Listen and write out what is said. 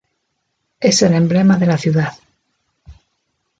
Es el emblema de la ciudad.